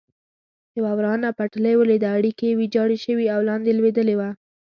یوه ورانه پټلۍ ولیده، اړیکي یې ویجاړ شوي او لاندې لوېدلي و.